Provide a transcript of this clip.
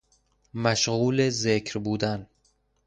مشغول ذکر بودن